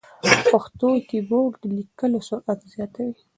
پښتو کیبورډ د لیکلو سرعت زیاتوي.